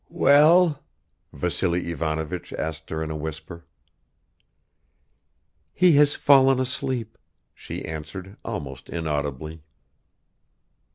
"Well?" Vassily Ivanovich asked her in a whisper. "He has fallen asleep," she answered, almost inaudibly.